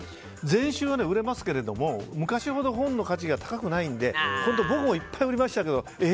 全集は売れますけど昔ほど本の価値が高くないので僕もいっぱい売りましたけどえ？